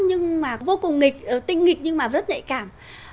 nhưng mà vô cùng nghịch tinh nghịch nhưng mà rất nhạy cảm